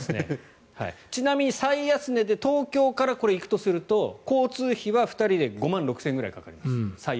ちなみに最安値で東京から行くとすると交通費は２人で５万６０００円ぐらいかかります。